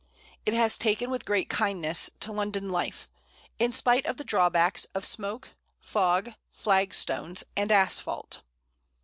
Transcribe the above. It has taken with great kindness to London life, in spite of the drawbacks of smoke, fog, flagstones, and asphalt.